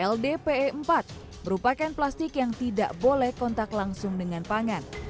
ldpe empat merupakan plastik yang tidak boleh kontak langsung dengan pangan